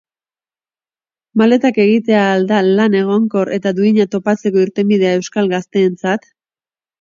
Maletak egitea al da lan egonkor eta duina topatzeko irtenbidea euskal gazteentzat?